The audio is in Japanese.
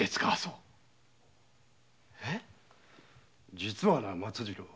実はな松次郎。